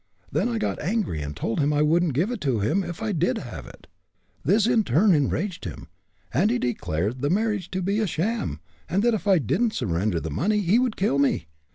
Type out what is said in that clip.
Then I got angry and told him I wouldn't give it to him, if I did have it. This in turn enraged him, and he declared the marriage to be a sham, and that if I didn't surrender the money he would kill me.